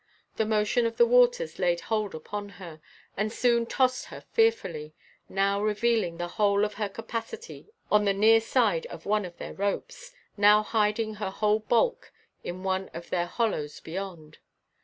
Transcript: The motion of the waters laid hold upon her, and soon tossed her fearfully, now revealing the whole of her capacity on the near side of one of their slopes, now hiding her whole bulk in one of their hollows beyond.